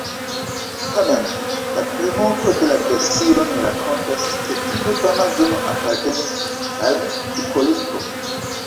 Tamen, la plimulto de la version rakontas ke tiu fama zono apartenis al Hipolito.